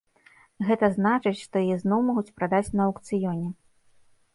Гэта значыць, што яе зноў могуць прадаць на аўкцыёне.